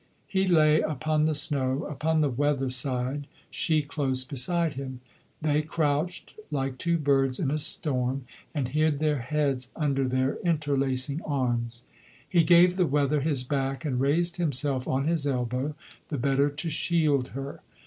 He lay upon the snow, upon the weather side, she close beside him. They crouched like two birds in a storm, and hid their heads under their interlacing arms. He gave the weather his back, and raised himself on his elbow, the better to shield her.